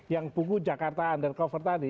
yang buku jakarta undercover tadi